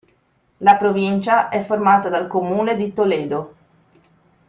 La provincia è formata dal comune di Toledo